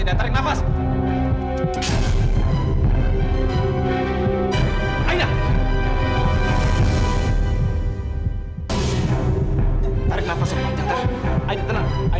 aida bangun aida